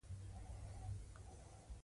د چپرکټ لر او بر سر ته ودرېدل.